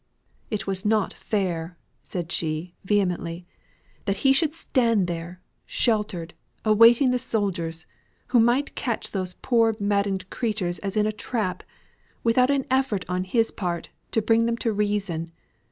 It was not fair," said she vehemently, "that he should stand there sheltered, awaiting the soldiers, who might catch those poor maddened creatures as in a trap without an effort on his part, to bring them to reason.